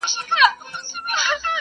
سپین لباس د فریشتو یې په تن کړی.